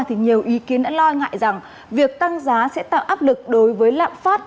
thì nhiều ý kiến đã lo ngại rằng việc tăng giá sẽ tạo áp lực đối với lạm phát